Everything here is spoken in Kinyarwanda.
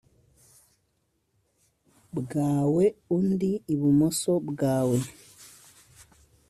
bwawe undi ibumoso bwawe